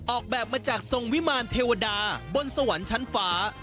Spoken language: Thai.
ออกแบบมาจากทรงวิมารเทวดาบนสวรรค์ชั้นฟ้า